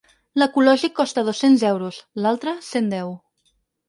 L'ecològic costa dos-cents euros, l'altre cent deu.